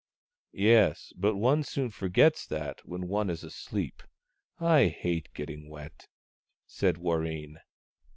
" Yes, but one soon forgets that when one is asleep. I hate getting wet," said Warreen.